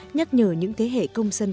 nhắc nhở những thế hệ công dân quốc gia